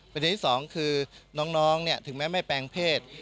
ที่สองคือน้องถึงแม้ไม่แปลงเพศ